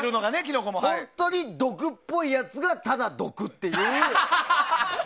本当に毒っぽいやつがただ毒っていう。